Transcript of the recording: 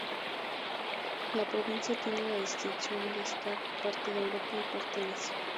La provincia tiene la distinción de estar parte en Europa y parte en Asia.